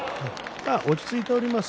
落ち着いております。